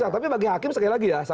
tapi bagi hakim sekali lagi ya